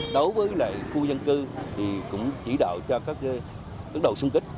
đối với lại khu dân cư thì cũng chỉ đạo cho các đầu xung kích